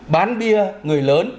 bán bia người lớn